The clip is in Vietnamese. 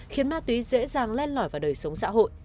khiến ma túy dễ dàng len lỏi vào đời sống xã hội